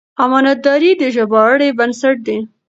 امانتداري د ژباړې بنسټ دی.